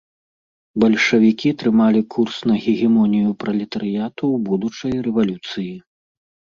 Бальшавікі трымалі курс на гегемонію пралетарыяту ў будучай рэвалюцыі.